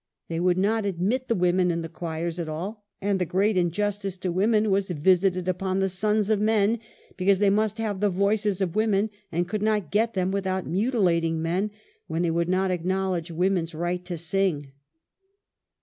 They would not admit the women in the choirs at :all, and the great injustice to women was visited upon the sons of men, because they must have the voices of women and could not get them without muti lating men when they would not acknowledge woman's ris ht to sins